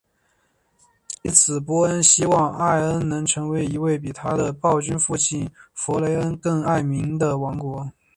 藉此波恩希望艾恩能成为一位比他的暴君父亲弗雷恩更爱民的国王。